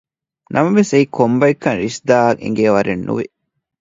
ނަމަވެސް އެއީ ކޮންބައެއްކަން ރިޝްދާއަށް އެނގޭވަރެއް ނުވި